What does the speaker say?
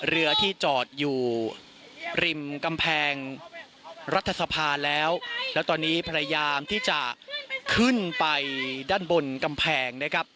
เรือที่จอดอยู่ริมกำแพงรัฐสภาแล้วแล้วตอนนี้พยายามที่จะขึ้นไปด้านบนกำแพงนะครับ